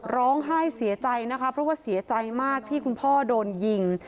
ร้องไห้เสียใจนะคะเพราะว่าเสียใจมากที่คุณพ่อโดนยิง